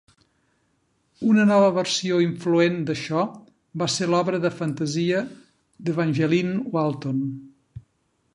Una nova versió influent d'això va ser l'obra de fantasia d'Evangeline Walton.